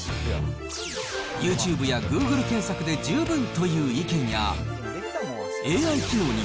ユーチューブやグーグル検索で十分という意見や、ＡＩ機能に